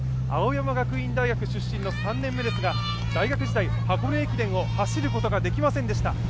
青山学院大学出身の３年目ですが、大学時代、箱根駅伝を走ることができませんでした。